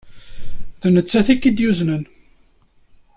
D nettat ay k-id-yuznen?